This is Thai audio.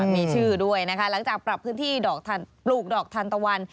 มีชื่อด้วยนะคะหลังจากปรับพื้นที่ปลูกดอกทันตะวัน